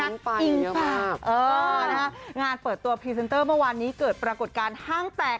จริงฝากเออนะฮะงานเปิดตัวพรีเซนเตอร์เมื่อวานนี้เกิดปรากฏการณ์ห้างแตก